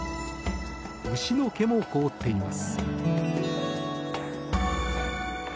牛の毛も凍っています。